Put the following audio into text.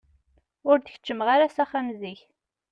Ur d-keččmeɣ ara s axxam zik.